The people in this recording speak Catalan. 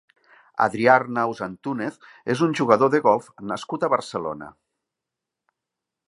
Adrià Arnaus Antúnez és un jugador de golf nascut a Barcelona.